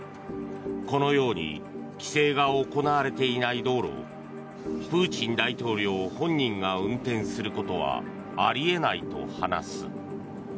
このように規制が行われていない道路をプーチン大統領本人が運転することはあり得ないと話す。